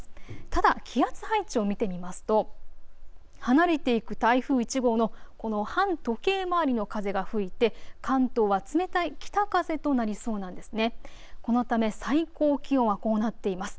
ただ気圧配置を見てみますと離れていく台風１号のこの反時計回りの風が吹いて関東は冷たい北風となりそうなんですね、このため最高気温をこうなっています。